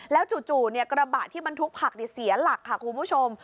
แล้วจู่กระบะที่บรรทุกผักเสียหลักค่ะคุณผู้ชม